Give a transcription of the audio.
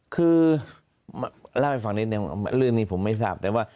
คือเล่าให้ฟังนิดนึงเรื่องนี้ผมไม่ทราบแต่ว่า